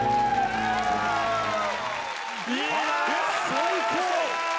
最高！